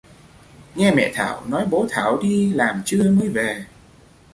nghe Mẹ Thảo nói bố thảo đi làm trưa mới về